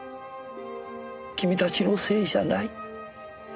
君たちのせいじゃない。